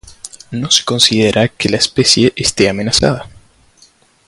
No se considera que la especie este amenazada.